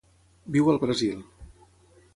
Viu al Brasil.